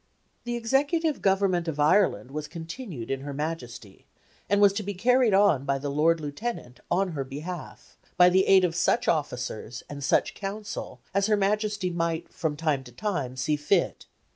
The Executive Government of Ireland was continued in her Majesty, and was to be carried on by the Lord Lieutenant on her behalf, by the aid of such officers and such Council as her Majesty might from time to time see fit.